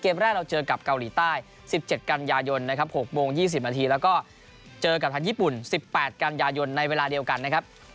แรกเราเจอกับเกาหลีใต้๑๗กันยายนนะครับ๖โมง๒๐นาทีแล้วก็เจอกับทางญี่ปุ่น๑๘กันยายนในเวลาเดียวกันนะครับ